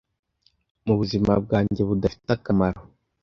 mubuzima bwanjye budafite akamaro